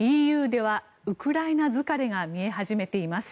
ＥＵではウクライナ疲れが見え始めています。